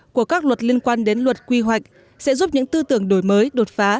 của các luật liên quan đến luật quy hoạch sẽ giúp những tư tưởng đổi mới đột phá